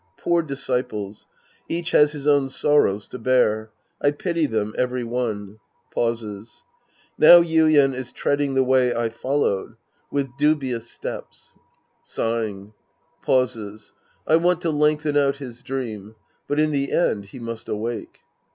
Poor disciples ! Each has his own sorrows to bear. I pity them every one. {Pauses.) Now Yuien is treading the way I followed. With Sc. II The Priest and His Disciples 205 dubious steps. Sighing. (Pauses.) I want to lengthen out his dream. But in the end, he must awake.